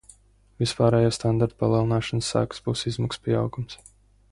Vispārējo standartu palielināšanas sekas būs izmaksu pieaugums.